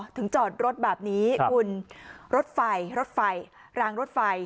จอดรถแบบนี้คุณรถไฟรถไฟรางรถไฟ